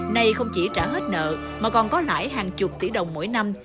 này không chỉ trả hết nợ mà còn có lại hàng chục tỷ đồng mỗi năm